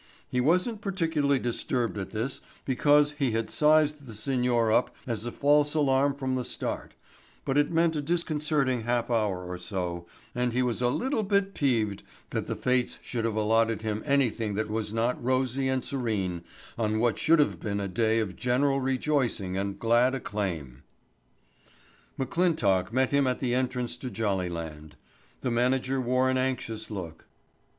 He wasn't particularly disturbed at this because he had sized the signor up as a false alarm from the start, but it meant a disconcerting half hour or so and he was a little bit peeved that the fates should have allotted him anything that was not rosy and serene on what should have been a day of general rejoicing and glad acclaim. McClintock met him at the entrance to Jollyland. The manager wore an anxious look.